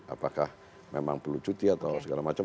apakah memang perlu cuti atau segala macam